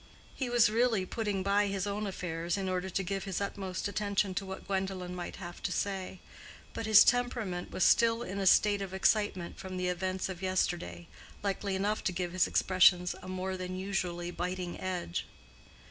He was really putting by his own affairs in order to give his utmost attention to what Gwendolen might have to say; but his temperament was still in a state of excitation from the events of yesterday, likely enough to give his expressions a more than usually biting edge.